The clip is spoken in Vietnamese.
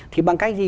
thì bằng cách gì